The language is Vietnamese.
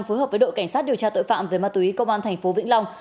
phối hợp với đội cảnh sát điều tra tội phạm về ma túy công an thành phố vĩnh long